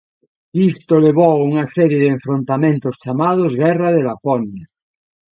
Isto levou a unha serie de enfrontamentos chamados Guerra de Laponia.